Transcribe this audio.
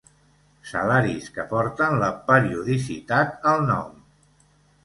Salaris que porten la periodicitat al nom.